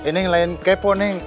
eh neng lain kepo neng